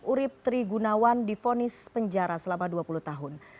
urib tri gunawan difonis penjara selama dua puluh tahun